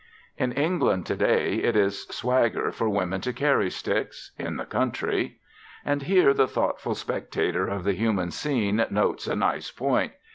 In England to day it is swagger for women to carry sticks in the country. And here the thoughtful spectator of the human scene notes a nice point.